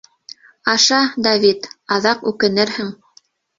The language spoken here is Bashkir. Аша, Давид, аҙаҡ үкенерһең...